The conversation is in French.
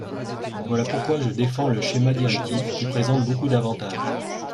Voilà pourquoi je défends le schéma directif, qui présente beaucoup d’avantages.